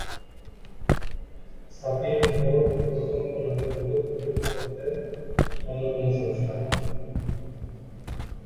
Sapir-Whorf প্রকল্প নামে বহুল পরিচিত তত্ত্বের অন্যতম স্রষ্টা।